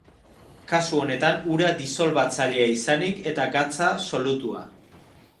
Kasu honetan ura disolbatzailea izanik eta gatza solutua.